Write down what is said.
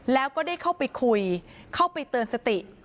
แล้วก็ได้เข้าไปคุยเข้าไปเตือนสติ